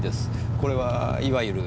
これはいわゆる。